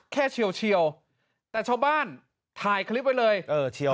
เฉียวแต่ชาวบ้านถ่ายคลิปไว้เลยเออเชียว